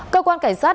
cơ quan cảnh sát